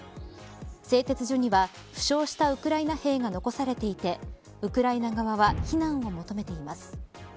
製鉄所には負傷したウクライナ兵が残されていてウクライナ側は避難を求めています。